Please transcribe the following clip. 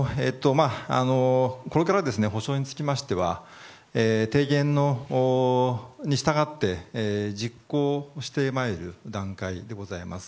これから補償につきましては提言に従って実行をしてまいる段階でございます。